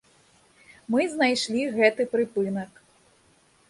Мы знайшлі гэты прыпынак.